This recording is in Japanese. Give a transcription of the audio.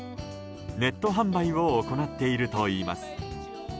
ネット販売を行っているといいます。